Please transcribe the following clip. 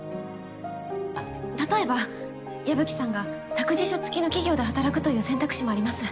あっ例えば矢吹さんが託児所付きの企業で働くという選択肢もあります。